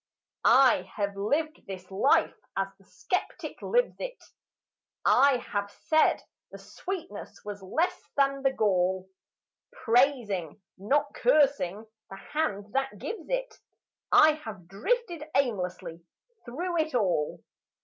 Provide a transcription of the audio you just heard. I have lived this life as the skeptic lives it; I have said the sweetness was less than the gall; Praising, nor cursing, the Hand that gives it, I have drifted aimlessly through it all.